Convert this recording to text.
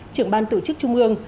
trưởng ban tổ chức trung mương